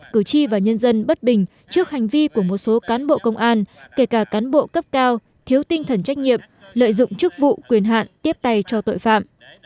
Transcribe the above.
cử tri và nhân dân bất bình trước hành vi của một số cán bộ công an kể cả cán bộ cấp cao thiếu tinh thần trách nhiệm lợi dụng chức vụ quyền hạn tiếp tay cho tội phạm